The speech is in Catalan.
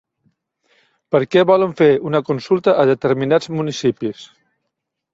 Per què volen fer una consulta a determinats municipis?